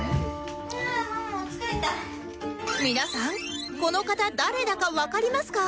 皆さんこの方誰だかわかりますか？